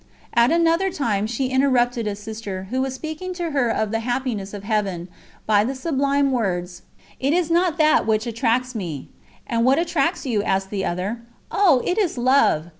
At another time she interrupted a Sister, who was speaking to her of the happiness of Heaven, by the sublime words: "It is not that which attracts me." "And what attracts you?" asked the other. "Oh! it is Love!